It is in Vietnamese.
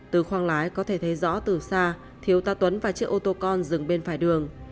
từ khoang lái có thể thấy rõ từ xa thiếu tá tuấn và chiếc ô tô con dừng bên phải đường